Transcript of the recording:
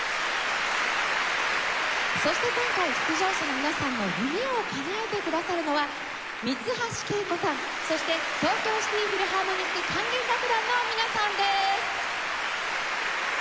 そして今回出場者の皆さんの夢をかなえてくださるのは三ツ橋敬子さんそして東京シティ・フィルハーモニック管弦楽団の皆さんです。